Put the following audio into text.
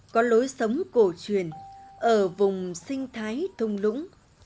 có lối sống cổ truyền ở vùng sinh thái thông lũng